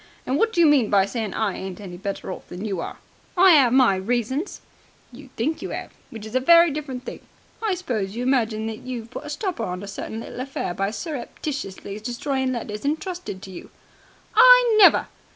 And what do you mean by saying I ain't any better off than you are?" "I 'ave my reasons." "You think you 'ave, which is a very different thing. I suppose you imagine that you've put a stopper on a certain little affair by surreptitiously destroying letters entrusted to you." "I never!"